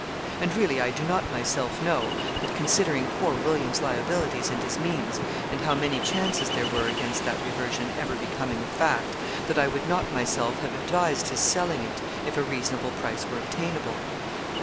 And really I do not myself know, that, considering poor William's liabilities and his means, and how many chances there were against that reversion ever becoming a fact, that I would not myself have advised his selling it, if a reasonable price were obtainable.